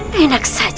kamu tidak apa apa